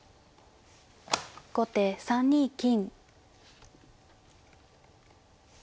後手３二金。